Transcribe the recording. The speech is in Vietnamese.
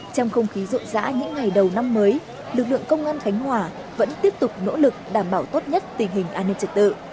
trong không khí rộn rã những ngày đầu năm mới lực lượng công an khánh hòa vẫn tiếp tục nỗ lực đảm bảo tốt nhất tình hình an ninh trật tự